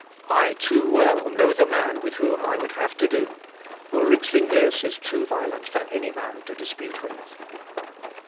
_ "I too well know the man with whom I would have to do. Ulric Zuinglius is too violent for any man to dispute with!"